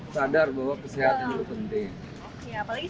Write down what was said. sadar bahwa kesehatan itu penting